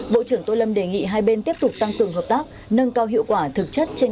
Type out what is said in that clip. bộ trưởng tô lâm đề nghị hai bên tiếp tục tăng cường hợp tác nâng cao hiệu quả thực chất trên